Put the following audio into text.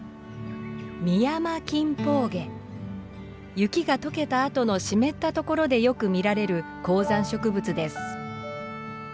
雪が解けたあとの湿ったところでよく見られる高山植物です。